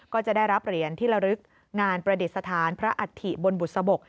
ก็จะได้รับเหรียญที่ระลึกงานประดิษฐานพระอัฐิบนบุษบก